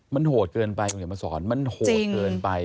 มันโหดเกินไปมันโหดเกินไป